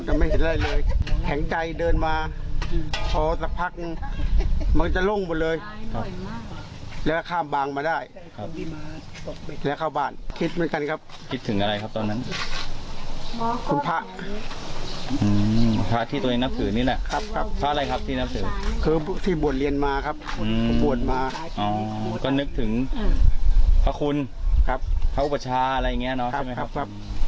ก็นึกถึงพระคุณพระอุปชาห์อะไรอย่างนี้นะใช่ไหมครับ